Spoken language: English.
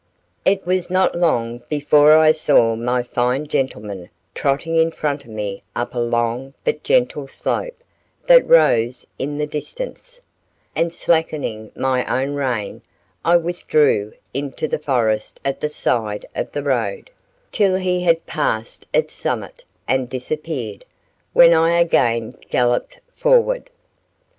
It was not long before I saw my fine gentleman trotting in front of me up a long but gentle slope that rose in the distance; and slackening my own rein, I withdrew into the forest at the side of the road, till he had passed its summit and disappeared, when I again galloped forward.